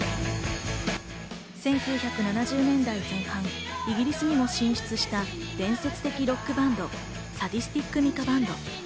１９７０年代前半、イギリスにも進出した伝説的ロックバンド、サディスティック・ミカ・バンド。